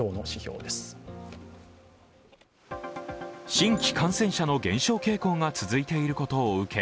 新規感染者の減少傾向が続いていることを受け